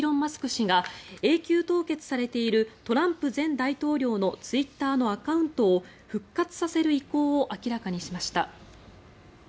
氏が永久凍結されているトランプ前大統領のツイッターのアカウントを復活させる意向を明らかにしました。